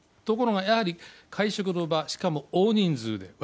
ところが、やはり会食の場、しかも大人数で。